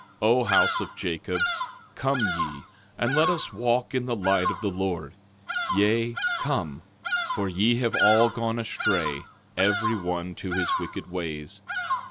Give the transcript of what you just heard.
12:5 O house of Jacob, come ye and let us walk in the light of the Lord; yea, come, for ye have all gone astray, every one to his wicked ways.